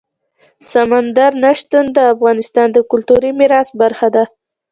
سمندر نه شتون د افغانستان د کلتوري میراث برخه ده.